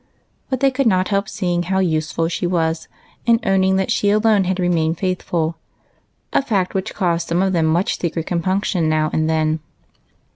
But they could not help seeing how useful she was, and owning that she alone had remained faithful, — a fact which caused some of them much secret compunction now and then.